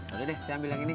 udah deh saya ambil yang ini